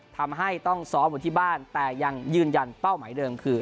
ทำให้ต้องซ้อมอยู่ที่บ้านแต่ยังยืนยันเป้าหมายเดิมคือ